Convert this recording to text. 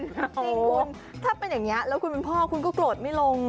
จริงคุณถ้าเป็นอย่างนี้แล้วคุณเป็นพ่อคุณก็โกรธไม่ลง